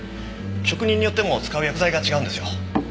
職人によっても使う薬剤が違うんですよ。